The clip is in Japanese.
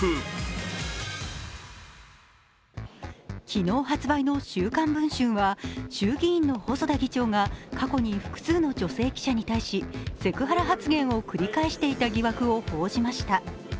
昨日発売の「週刊文春」は衆議院の細田議長が過去に複数の女性記者に対しセクハラ発言を繰り返していた疑惑を報じました。